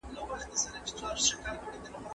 دا حکومت پر مذهب ولاړ و.